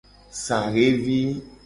Saxe vi.